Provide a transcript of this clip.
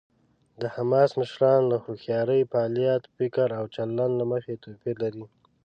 د حماس مشران له هوښیارۍ، فعالیت، فکر او چلند له مخې توپیر لري.